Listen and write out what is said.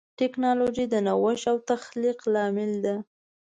ټکنالوجي د نوښت او تخلیق لامل ده.